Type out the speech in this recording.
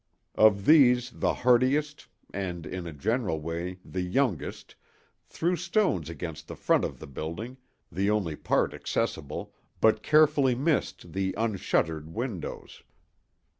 Of these the hardiest, and in a general way the youngest, threw stones against the front of the building, the only part accessible, but carefully missed the unshuttered windows.